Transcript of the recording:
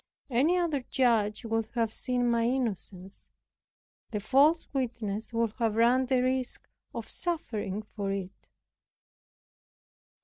Any other judge would have seen my innocence; the false witnesses would have run the risk of suffering for it.